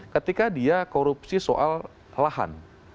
ketika dia korupsi soal lahan